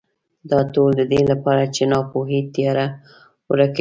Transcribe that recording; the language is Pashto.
دا ټول د دې لپاره چې ناپوهۍ تیاره ورکه شي.